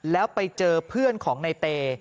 แล้วไปเจอเพื่อนของในเต